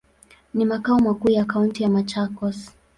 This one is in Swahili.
Ni makao makuu ya kaunti ya Machakos.